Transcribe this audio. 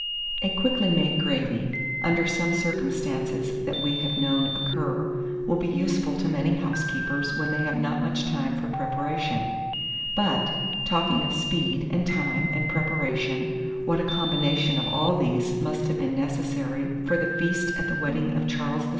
A quickly made gravy, under some circumstances that we have known occur, will be useful to many housekeepers when they have not much time for preparation. But, talking of speed, and time, and preparation, what a combination of all these must have been necessary for the feast at the wedding of Charles VI.